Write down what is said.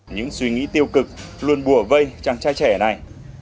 những suy nghĩ tiêu cực luôn bùa vây chàng trai trẻ này